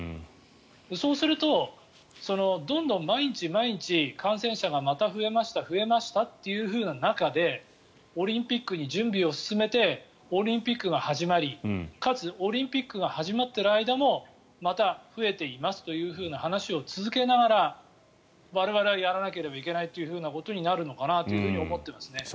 そうすると、どんどん毎日毎日感染者が増えました増えましたという中でオリンピックの準備を進めてオリンピックが始まりかつ、オリンピックが始まっている間もまた増えていますという話を続けながら我々はやらなければいけないことになるのかなと思っていますね。